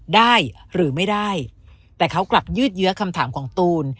ได้หรือไม่ได้แต่เขากลับยืดเยื้อคำถามของตูน